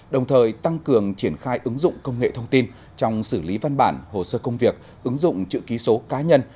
đồng thời tăng cường triển khai ứng dụng công nghệ thông tin trong xử lý văn bản hồ sơ công việc ứng dụng chữ ký số cá nhân